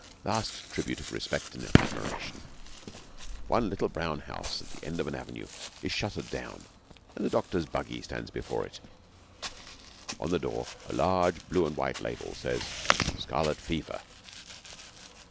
Last tribute of respect and admiration. One little brown house at the end of an avenue is shuttered down, and a doctor's buggy stands before it. On the door a large blue and white label says ' Scarlet Fever.'